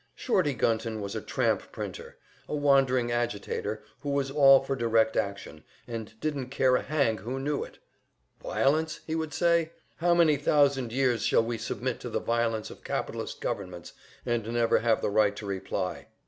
"Shorty" Gunton was a tramp printer, a wandering agitator who was all for direct action, and didn't care a hang who knew it. "Violence?" he would say. "How many thousand years shall we submit to the violence of capitalist governments, and never have the right to reply?"